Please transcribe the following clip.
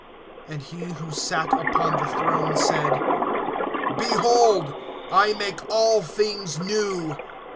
(5)And he who sat upon the throne said: Behold, I make all things new.